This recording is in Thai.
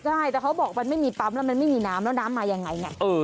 ใช่แต่เขาบอกมันไม่มีปั๊มแล้วมันไม่มีน้ำแล้วน้ำมายังไงไง